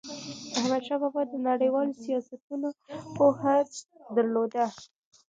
احمدشاه بابا د نړیوالو سیاستونو پوهه درلوده.